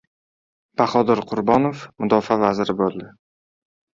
Bahodir Qurbonov Mudofaa vaziri bo‘ldi